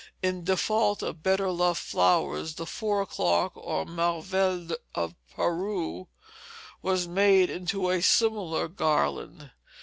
In default of better loved flowers, the four o'clock, or marvel of Peru, was made into a similar garland.